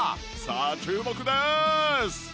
さあ注目です！